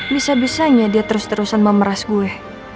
bisa bisanya dia terus terusan memeras gue